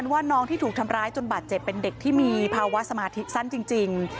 ว่าน้องที่ถูกทำร้ายจนบาดเจ็บเป็นเด็กที่มีภาวะสมาธิสั้นจริง